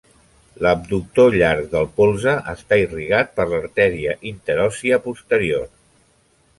L'abductor llarg del polze està irrigat per l'artèria interòssia posterior.